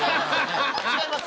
違います。